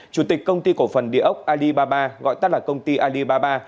chủ tịch công ty cổ phần địa ốc alibaba gọi tắt là công ty alibaba